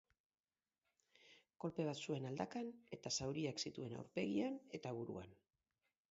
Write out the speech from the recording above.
Kolpe bat zuen aldakan eta zauriak zituen aurpegian eta buruan.